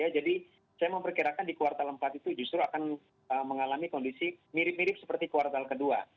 jadi saya memperkirakan di kuartal empat itu justru akan mengalami kondisi mirip mirip seperti kuartal kedua